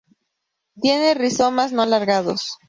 Tiene rizomas no alargados.